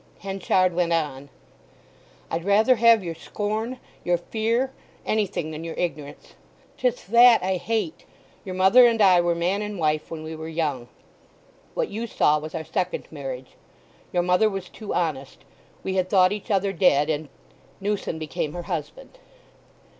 Henchard went on: "I'd rather have your scorn, your fear, anything than your ignorance; 'tis that I hate! Your mother and I were man and wife when we were young. What you saw was our second marriage. Your mother was too honest. We had thought each other dead—and—Newson became her husband."